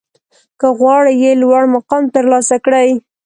که غواړئ لوړ مقام ترلاسه کړئ